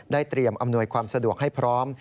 เตรียมอำนวยความสะดวกให้พร้อม